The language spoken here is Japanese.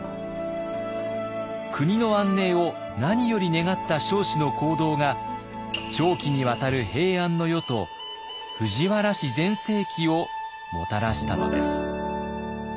国の安寧を何より願った彰子の行動が長期にわたる平安の世と藤原氏全盛期をもたらしたのです。